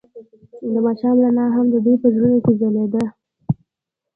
د ماښام رڼا هم د دوی په زړونو کې ځلېده.